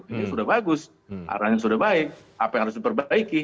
ini sudah bagus arahnya sudah baik apa yang harus diperbaiki